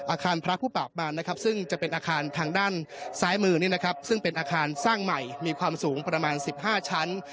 อาคารพระผู้ปากบานนะครับซึ่งจะเป็นอาคารทางด้านซ้ายมือซึ่งเป็นอาคารสร้างใหม่มีความสูงประมาณ๑๕ชั้น